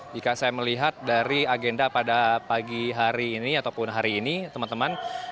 jika saya melihat dari agenda pada pagi hari ini ataupun hari ini teman teman